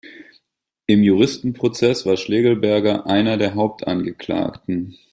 Im Juristenprozess war Schlegelberger einer der Hauptangeklagten.